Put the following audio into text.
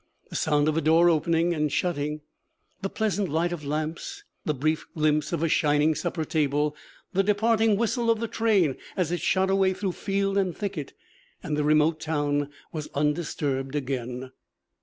The sound of a door opening and shutting, the pleasant light of lamps, the brief glimpse of a shining supper table, the departing whistle of the train as it shot away through field and thicket, and the remote town was undisturbed again.